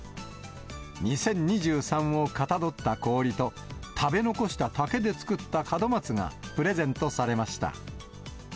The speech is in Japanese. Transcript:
２０２３をかたどった氷と、食べ残した竹で作った門松がプレゼントされました。